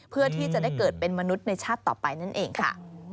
เพื่อที่จะได้เกิดเป็นมนุษย์ในชาติต่อไปนั่นเองค่ะ